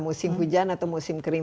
musim hujan atau musim kering